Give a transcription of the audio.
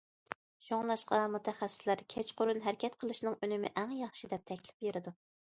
شۇڭلاشقا مۇتەخەسسىسلەر كەچقۇرۇن ھەرىكەت قىلىشىنىڭ ئۈنۈمى ئەڭ ياخشى دەپ تەكلىپ بېرىدۇ.